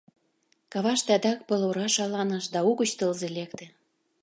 Каваште адак пыл ора шаланыш да угыч тылзе лекте.